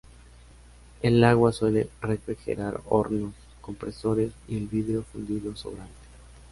El agua suele refrigerar hornos, compresores y el vidrio fundido sobrante.